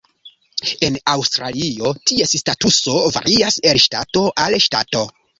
En Aŭstralio, ties statuso varias el ŝtato al ŝtato.